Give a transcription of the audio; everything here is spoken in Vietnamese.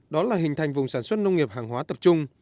đó là hình thành vùng sản xuất nông nghiệp hàng hóa tập trung